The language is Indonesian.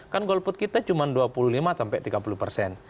kan golput kita cuma dua puluh lima sampai tiga puluh persen